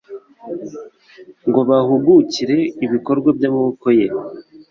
ngo bahugukire ibikorwa by’amaboko ye